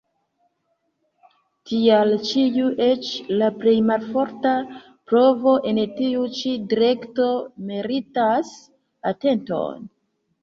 Tial ĉiu eĉ la plej malforta provo en tiu ĉi direkto meritas atenton.